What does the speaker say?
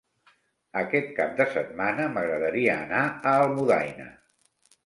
Aquest cap de setmana m'agradaria anar a Almudaina.